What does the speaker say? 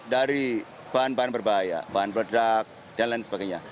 dari bahan bahan berbahaya bahan peledak dan lain sebagainya